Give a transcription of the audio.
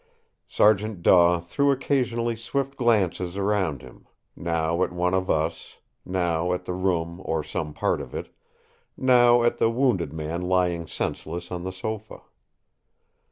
Sergeant Daw threw occasionally swift glances round him; now at one of us; now at the room or some part of it; now at the wounded man lying senseless on the sofa.